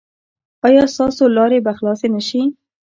ایا ستاسو لارې به خلاصې نه شي؟